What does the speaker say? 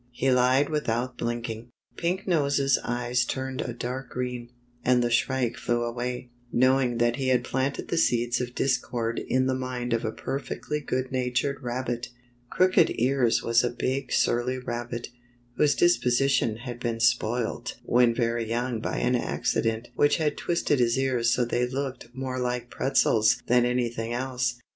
he lied without blinking. Pink Nose's eyes turned a dark green, and the Shrike flew away, knowing that he had planted the seeds of discord in the mind of a perfectly good natured rabbit. Crooked Ears was a big surly rabbit, whose disposition had been spoilt when very young by an accident which had twisted his ears so they looked more like pretzels than anything else.